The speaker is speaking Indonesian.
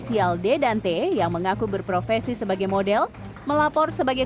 membuat bagian payudara kedua korban membengkak hingga mengalami peradangan